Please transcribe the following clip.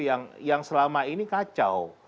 yang selama ini kacau